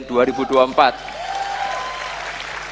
bapak sebagai calon presiden dua ribu dua puluh empat